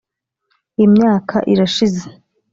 imyaka irashize,